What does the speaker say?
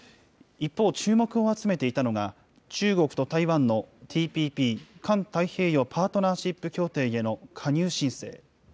一方、注目を集めていたのが、中国と台湾のＴＰＰ・環太平洋パートナーシップ協定への加入申請。